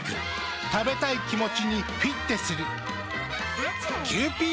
食べたい気持ちにフィッテする。